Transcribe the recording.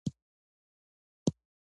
هره لاستهراوړنه د ګډ عمل محصول ده.